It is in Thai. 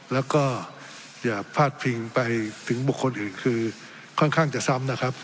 แล้วก็อย่าพาดพิงไปถึงบุคคลอื่นคือค่อนข้างจะซ้ำนะครับ